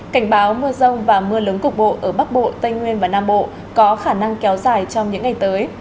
cảnh báo mưa rông và mưa lớn cục bộ ở bắc bộ tây nguyên và nam bộ có khả năng kéo dài trong những ngày tới